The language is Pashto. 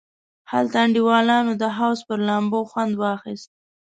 هلته انډیوالانو د حوض پر لامبو خوند واخیست.